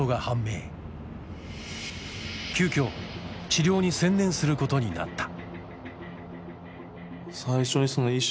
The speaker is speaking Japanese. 急きょ治療に専念することになった。